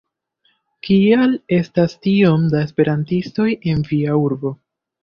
Kial estas tiom da Esperantistoj en via urbo?